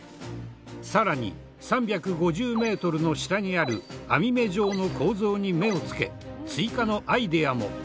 更に３５０メートルの下にある網目状の構造に目を付け追加のアイデアも。